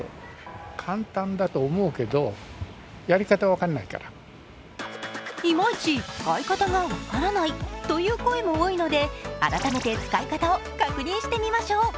しかしいまいち使い方が分からないという声も多いので、改めて使い方を確認してみましょう。